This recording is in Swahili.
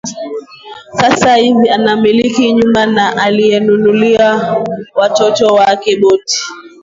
Sasa hivi anamiliki nyumba na aliwanunulia watoto wake boti